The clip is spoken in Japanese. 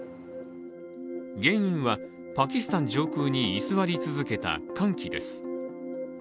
原因はパキスタン上空に居座り続けた寒気です